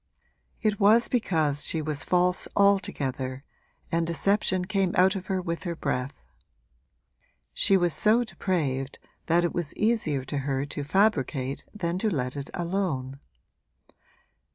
It was because she was false altogether and deception came out of her with her breath; she was so depraved that it was easier to her to fabricate than to let it alone.